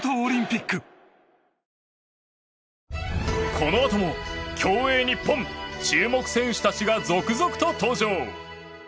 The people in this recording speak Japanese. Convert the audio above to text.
このあとも競泳日本注目選手たちが続々と登場。